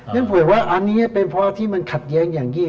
นั้นเผื่อว่าอันนี้เป็นเพราะว่ามันขัดแยงอย่างนี้